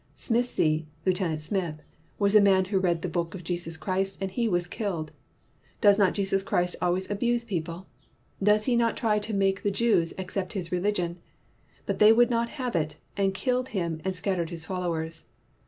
Smissi [Lieutenant Smith] was a man who read the book of Jesus Christ and he was killed. Does not Jesus Christ always abuse people ? Did he not try to make the Jews accept his religion? But they would not have it, and killed him and scattered his followers.